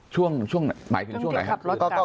ช่วงหมายถึงช่วงไหนครับ